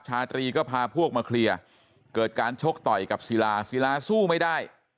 ชาตรีก็พาพวกมาเคลียร์เกิดการชกต่อยกับศิลาศิลาสู้ไม่ได้